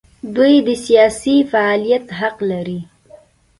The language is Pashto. دوی د سیاسي فعالیت حق لري.